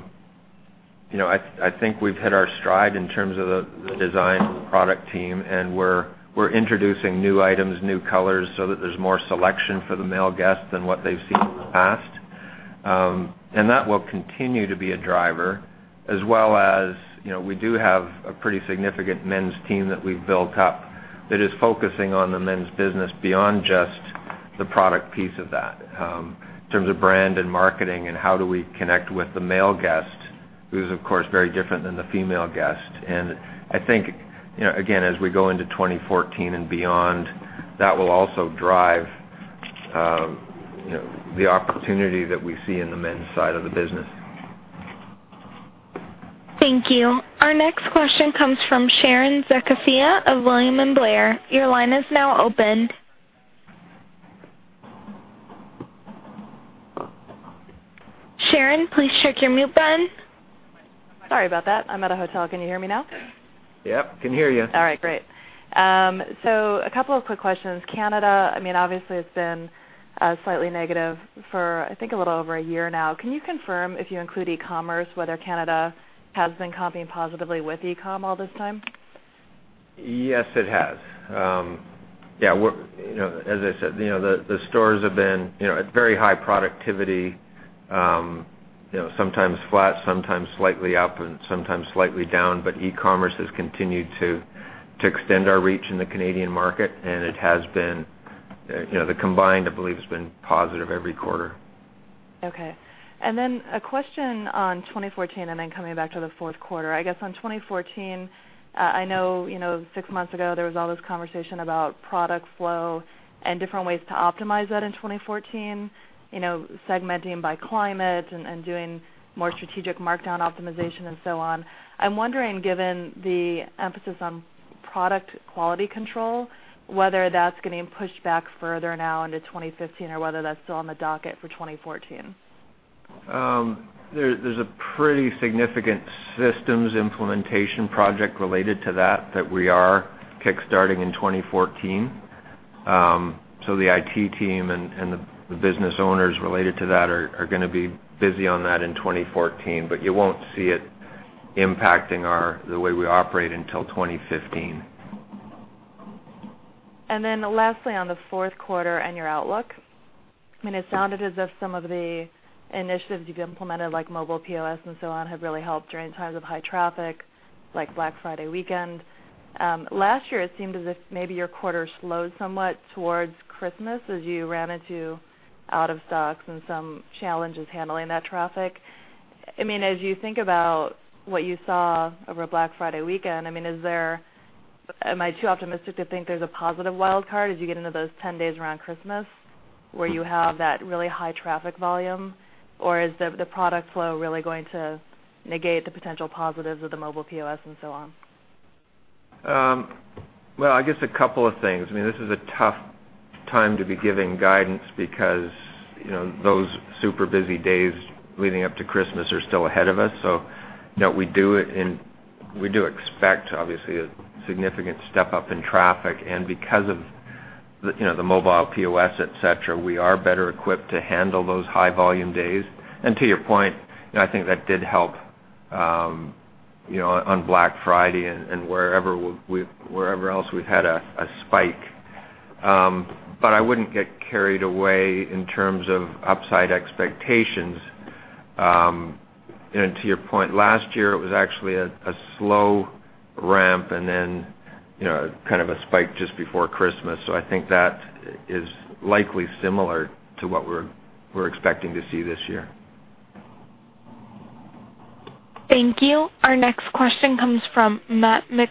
think we've hit our stride in terms of the design and the product team, and we're introducing new items, new colors, so that there's more selection for the male guest than what they've seen in the past. That will continue to be a driver. As well as, we do have a pretty significant men's team that we've built up that is focusing on the men's business beyond just the product piece of that. In terms of brand and marketing and how do we connect with the male guest, who's, of course, very different than the female guest. I think, again, as we go into 2014 and beyond, that will also drive the opportunity that we see in the men's side of the business. Thank you. Our next question comes from Sharon Zackfia of William Blair. Your line is now open. Sharon, please check your mute button. Sorry about that. I'm at a hotel. Can you hear me now? Yep, can hear you. A couple of quick questions. Canada, obviously it's been slightly negative for, I think, a little over a year now. Can you confirm, if you include e-com, whether Canada has been comping positively with e-com all this time? Yes, it has. As I said, the stores have been at very high productivity. Sometimes flat, sometimes slightly up, and sometimes slightly down. E-commerce has continued to extend our reach in the Canadian market, and the combined, I believe, has been positive every quarter. Okay. A question on 2014, and then coming back to the fourth quarter. I guess on 2014, I know six months ago, there was all this conversation about product flow and different ways to optimize that in 2014. Segmenting by climate and doing more strategic markdown optimization and so on. I'm wondering, given the emphasis on product quality control, whether that's getting pushed back further now into 2015, or whether that's still on the docket for 2014. There's a pretty significant systems implementation project related to that that we are kickstarting in 2014. The IT team and the business owners related to that are going to be busy on that in 2014. You won't see it impacting the way we operate until 2015. Lastly, on the fourth quarter and your outlook. It sounded as if some of the initiatives you've implemented, like mobile POS and so on, have really helped during times of high traffic, like Black Friday weekend. Last year, it seemed as if maybe your quarter slowed somewhat towards Christmas as you ran into out of stocks and some challenges handling that traffic. As you think about what you saw over Black Friday weekend, am I too optimistic to think there's a positive wild card as you get into those 10 days around Christmas where you have that really high traffic volume? Is the product flow really going to negate the potential positives of the mobile POS and so on? Well, I guess a couple of things. This is a tough time to be giving guidance because those super busy days leading up to Christmas are still ahead of us. We do expect, obviously, a significant step-up in traffic. Because of the mobile POS, et cetera, we are better equipped to handle those high volume days. To your point, I think that did help on Black Friday and wherever else we've had a spike. I wouldn't get carried away in terms of upside expectations. To your point, last year it was actually a slow ramp and then kind of a spike just before Christmas. I think that is likely similar to what we're expecting to see this year. Thank you. Our next question comes from Matthew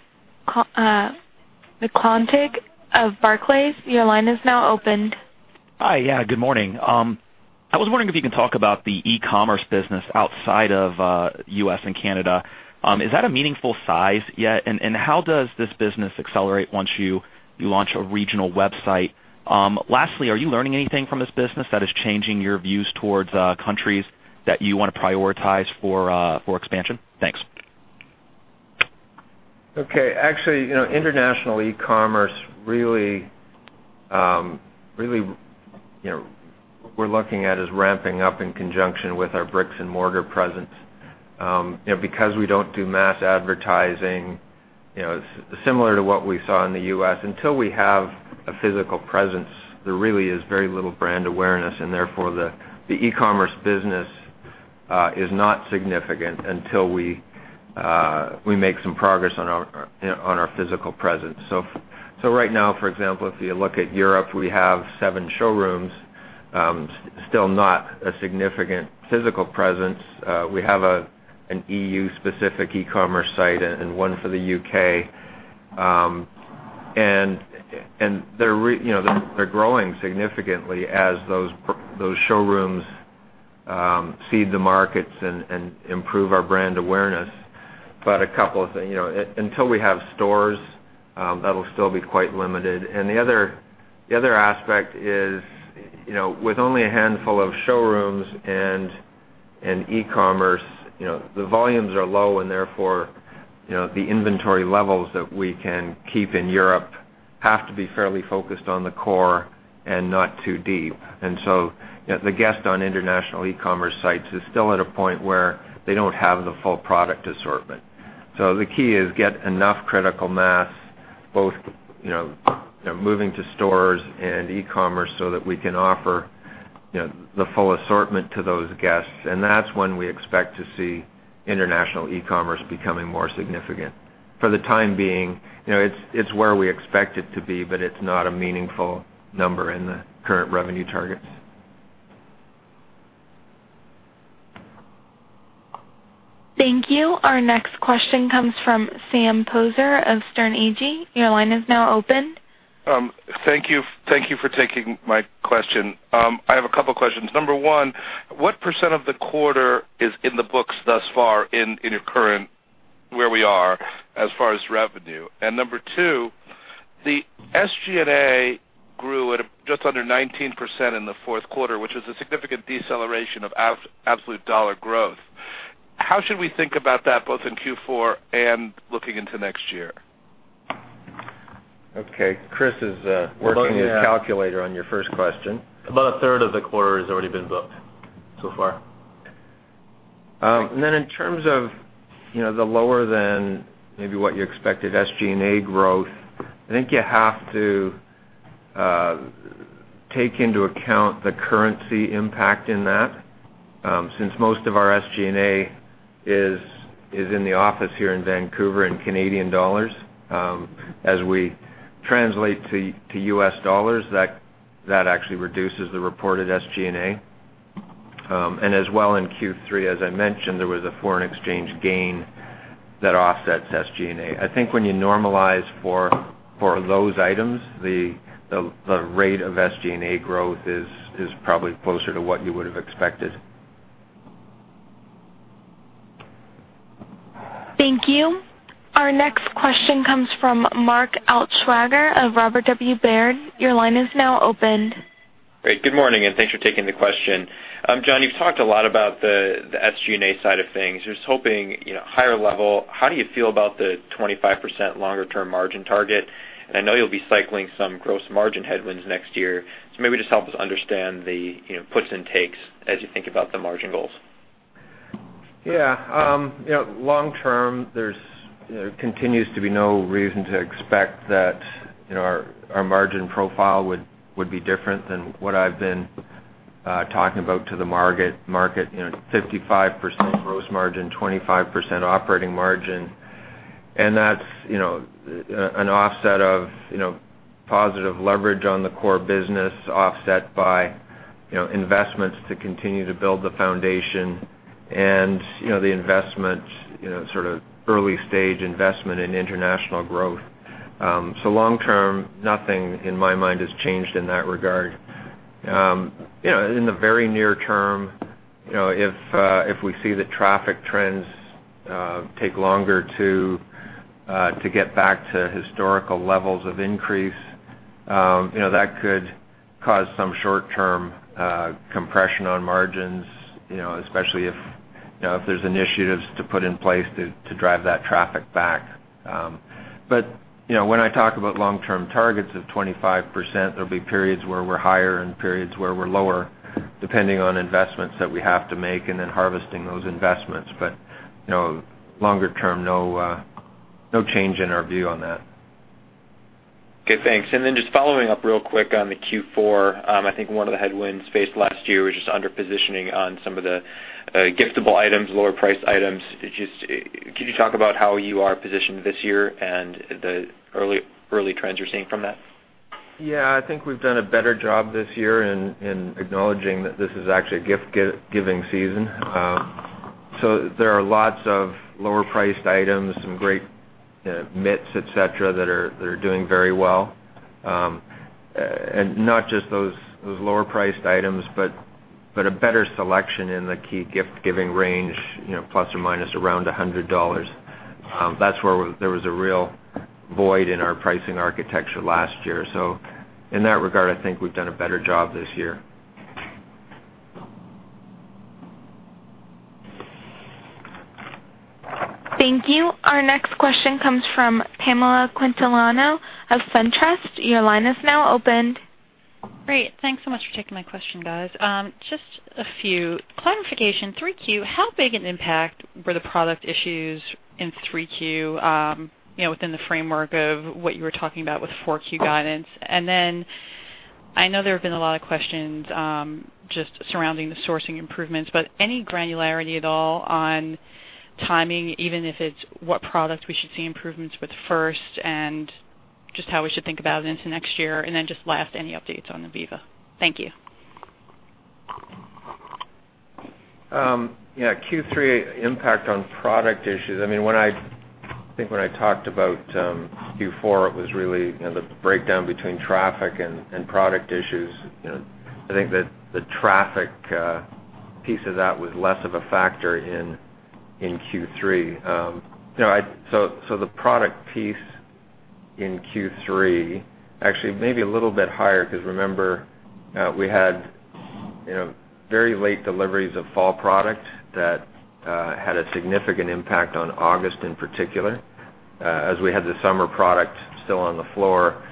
McClintock of Barclays. Your line is now open. Hi. Yeah, good morning. I was wondering if you can talk about the e-commerce business outside of U.S. and Canada. Is that a meaningful size yet? How does this business accelerate once you launch a regional website? Lastly, are you learning anything from this business that is changing your views towards countries that you want to prioritize for expansion? Thanks. Okay. Actually, international e-commerce, really what we're looking at is ramping up in conjunction with our bricks-and-mortar presence. Because we don't do mass advertising, similar to what we saw in the U.S., until we have a physical presence, there really is very little brand awareness, and therefore the e-commerce business is not significant until we make some progress on our physical presence. Right now, for example, if you look at Europe, we have seven showrooms. Still not a significant physical presence. We have an EU-specific e-commerce site and one for the U.K. They're growing significantly as those showrooms seed the markets and improve our brand awareness. A couple of things. Until we have stores, that'll still be quite limited. The other aspect is, with only a handful of showrooms and e-commerce, the volumes are low and therefore, the inventory levels that we can keep in Europe have to be fairly focused on the core and not too deep. The guest on international e-commerce sites is still at a point where they don't have the full product assortment. The key is get enough critical mass, both moving to stores and e-commerce so that we can offer the full assortment to those guests, and that's when we expect to see international e-commerce becoming more significant. For the time being, it's where we expect it to be, but it's not a meaningful number in the current revenue targets. Thank you. Our next question comes from Sam Poser of Sterne Agee. Your line is now open. Thank you for taking my question. I have a couple questions. Number one, what % of the quarter is in the books thus far in your current, where we are, as far as revenue? Number two, the SG&A grew at just under 19% in the fourth quarter, which is a significant deceleration of absolute dollar growth. How should we think about that, both in Q4 and looking into next year? Okay. Chris is working his calculator on your first question. About a third of the quarter has already been booked so far. In terms of the lower than maybe what you expected SG&A growth, I think you have to take into account the currency impact in that, since most of our SG&A is in the office here in Vancouver in CAD. As we translate to USD, that actually reduces the reported SG&A. In Q3, as I mentioned, there was a foreign exchange gain that offsets SG&A. I think when you normalize for those items, the rate of SG&A growth is probably closer to what you would have expected. Thank you. Our next question comes from Mark Altschwager of Robert W. Baird. Your line is now open. Great. Good morning, thanks for taking the question. John, you've talked a lot about the SG&A side of things. Just hoping, higher level, how do you feel about the 25% longer-term margin target? I know you'll be cycling some gross margin headwinds next year, so maybe just help us understand the puts and takes as you think about the margin goals. Yeah. Long term, there continues to be no reason to expect that our margin profile would be different than what I've been talking about to the market. 55% gross margin, 25% operating margin. That's an offset of positive leverage on the core business, offset by investments to continue to build the foundation and the investment, sort of early stage investment in international growth. Long term, nothing in my mind has changed in that regard. In the very near term, if we see the traffic trends take longer to get back to historical levels of increase, that could cause some short-term compression on margins, especially if there's initiatives to put in place to drive that traffic back. When I talk about long-term targets of 25%, there'll be periods where we're higher and periods where we're lower, depending on investments that we have to make and then harvesting those investments. Longer term, no change in our view on that. Okay, thanks. Just following up real quick on the Q4. I think one of the headwinds faced last year was just under-positioning on some of the giftable items, lower priced items. Can you talk about how you are positioned this year and the early trends you're seeing from that? Yeah, I think we've done a better job this year in acknowledging that this is actually a gift-giving season. There are lots of lower priced items, some great mitts, et cetera, that are doing very well. Not just those lower priced items, but a better selection in the key gift-giving range, plus or minus around $100. That's where there was a real void in our pricing architecture last year. In that regard, I think we've done a better job this year. Thank you. Our next question comes from Pamela Quintiliano of SunTrust. Your line is now open. Great. Thanks so much for taking my question, guys. Just a few clarification. 3Q, how big an impact were the product issues in 3Q, within the framework of what you were talking about with 4Q guidance? I know there have been a lot of questions just surrounding the sourcing improvements, but any granularity at all on timing, even if it's what products we should see improvements with first and just how we should think about it into next year? Just last, any updates on the Ivivva? Thank you. Yeah. Q3 impact on product issues. I think when I talked about Q4, it was really the breakdown between traffic and product issues. I think that the traffic piece of that was less of a factor in Q3. The product piece in Q3, actually may be a little bit higher, because remember, we had very late deliveries of fall product that had a significant impact on August in particular, as we had the summer product still on the floor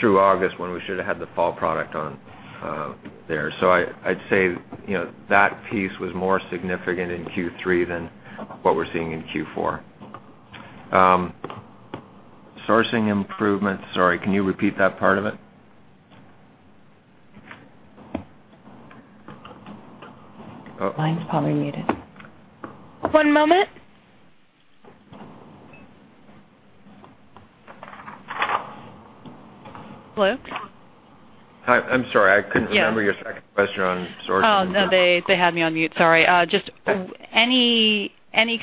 through August, when we should have had the fall product on there. I'd say that piece was more significant in Q3 than what we're seeing in Q4. Sourcing improvements. Sorry, can you repeat that part of it? Mine's probably muted. One moment. Hello? Hi. I'm sorry. I couldn't remember your second question on sourcing. Oh, no, they had me on mute. Sorry. Just any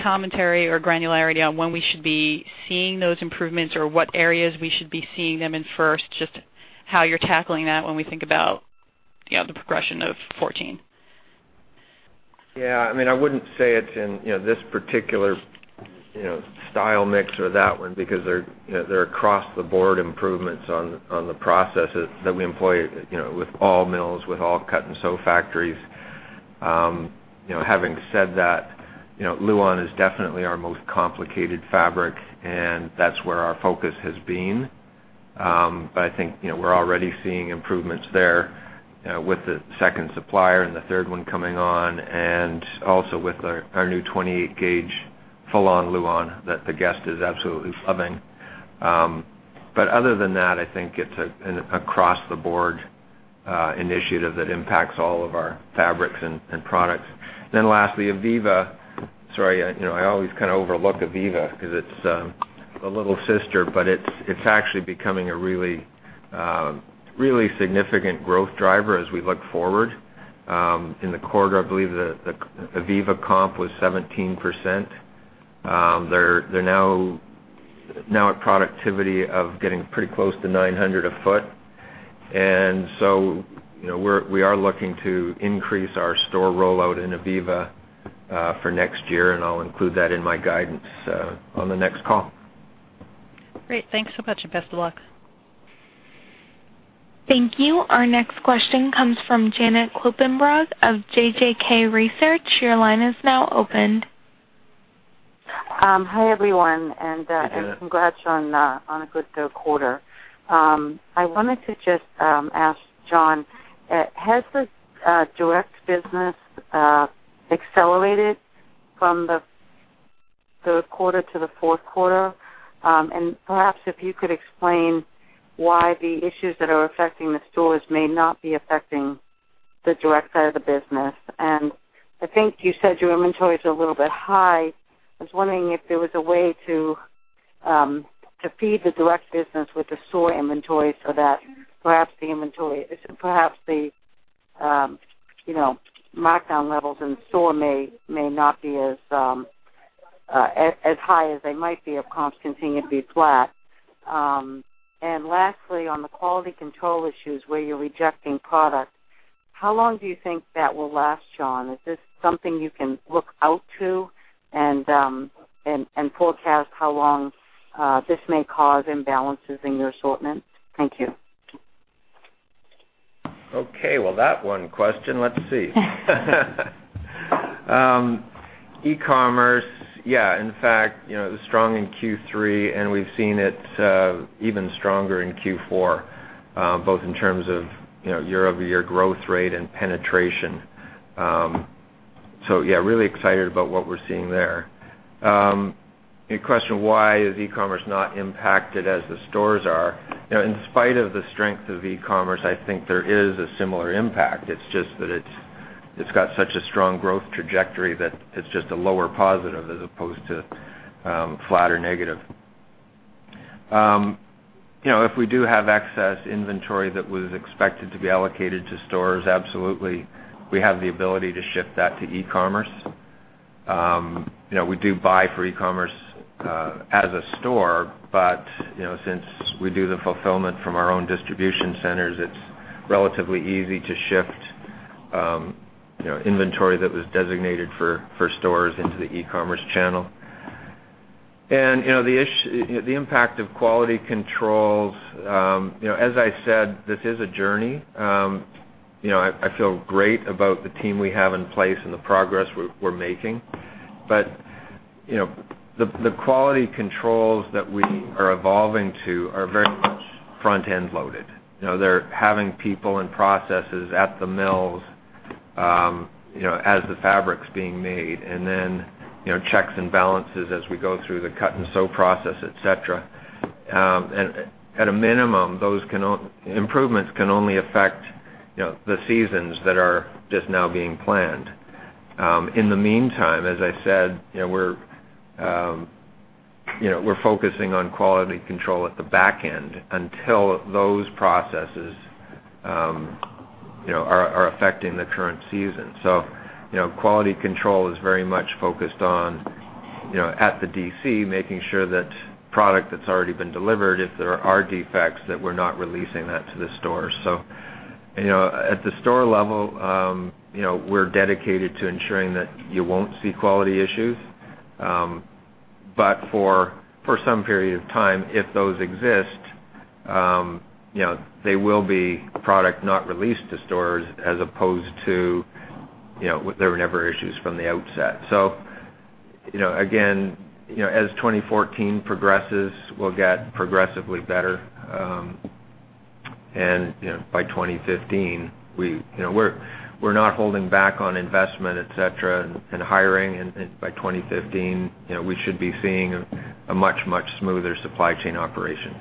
commentary or granularity on when we should be seeing those improvements, or what areas we should be seeing them in first, just how you're tackling that when we think about the progression of 2014. Yeah. I wouldn't say it's in this particular style mix or that one, because they're across-the-board improvements on the processes that we employ with all mills, with all cut and sew factories. Having said that, Luon is definitely our most complicated fabric, and that's where our focus has been. I think we're already seeing improvements there with the second supplier and the third one coming on, and also with our new 28-gauge Full-On Luon that the guest is absolutely loving. Other than that, I think it's an across-the-board initiative that impacts all of our fabrics and products. Lastly, Ivivva. Sorry, I always kind of overlook Ivivva because it's the little sister, but it's actually becoming a really significant growth driver as we look forward. In the quarter, I believe the Ivivva comp was 17%. They're now at productivity of getting pretty close to 900 a foot. We are looking to increase our store rollout in Ivivva for next year, and I'll include that in my guidance on the next call. Great. Thanks so much, and best of luck. Thank you. Our next question comes from Janet Kloppenberg of JJK Research. Your line is now open. Hi, everyone. Hi, Janet. Congrats on a good quarter. I wanted to just ask John, has the direct business accelerated from the third quarter to the fourth quarter? Perhaps if you could explain why the issues that are affecting the stores may not be affecting the direct side of the business. I think you said your inventories are a little bit high. I was wondering if there was a way to feed the direct business with the store inventory so that perhaps the markdown levels in store may not be as high as they might be if comps continue to be flat. Lastly, on the quality control issues where you're rejecting product, how long do you think that will last, John? Is this something you can look out to and forecast how long this may cause imbalances in your assortment? Thank you. Okay. Well, that one question. Let's see. E-commerce. Yeah. In fact, it was strong in Q3, and we've seen it even stronger in Q4, both in terms of year-over-year growth rate and penetration. Yeah, really excited about what we're seeing there. Your question, why is e-commerce not impacted as the stores are. In spite of the strength of e-commerce, I think there is a similar impact. It's just that it's got such a strong growth trajectory that it's just a lower positive as opposed to flat or negative. If we do have excess inventory that was expected to be allocated to stores, absolutely, we have the ability to ship that to e-commerce. We do buy for e-commerce as a store, but since we do the fulfillment from our own distribution centers, it's relatively easy to shift inventory that was designated for stores into the e-commerce channel. The impact of quality controls. As I said, this is a journey. I feel great about the team we have in place and the progress we're making. The quality controls that we are evolving to are very much front-end loaded. They're having people and processes at the mills as the fabric's being made, and then checks and balances as we go through the cut and sew process, et cetera. At a minimum, improvements can only affect the seasons that are just now being planned. In the meantime, as I said, we're focusing on quality control at the back end until those processes are affecting the current season. Quality control is very much focused on at the DC, making sure that product that's already been delivered, if there are defects, that we're not releasing that to the store. At the store level, we're dedicated to ensuring that you won't see quality issues. For some period of time, if those exist, they will be product not released to stores as opposed to there were never issues from the outset. Again, as 2014 progresses, we'll get progressively better. By 2015, we're not holding back on investment, et cetera, and hiring, and by 2015, we should be seeing a much, much smoother supply chain operation.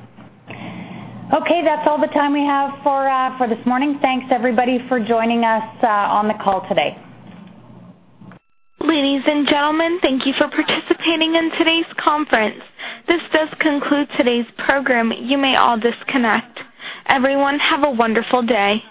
Okay. That's all the time we have for this morning. Thanks, everybody, for joining us on the call today. Ladies and gentlemen, thank you for participating in today's conference. This does conclude today's program. You may all disconnect. Everyone, have a wonderful day